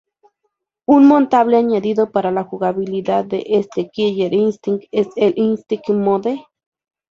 Un notable añadido para la jugabilidad de este "Killer Instinct" es el "Instinct Mode".